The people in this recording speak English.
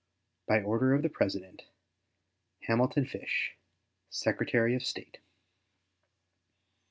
By order of the President: HAMILTON FISH, Secretary of State.